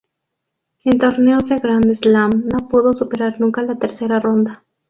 En torneos de Grand Slam no pudo superar nunca la tercera ronda.